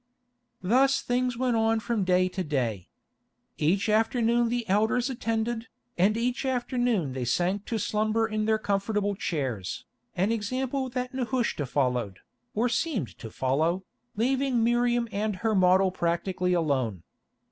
Thus things went on from day to day. Each afternoon the elders attended, and each afternoon they sank to slumber in their comfortable chairs, an example that Nehushta followed, or seemed to follow, leaving Miriam and her model practically alone.